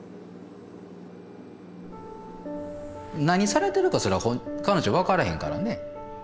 何されてるかすら彼女分からへんからね。